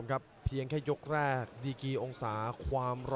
ก็เหยียกเข้ามา